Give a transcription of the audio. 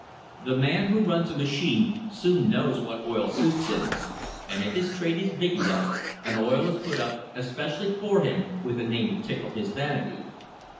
The man who runs a machine soon knows what oil suits him, and if his trade is big enough an oil is put up especially for him with a name to tickle his vanity.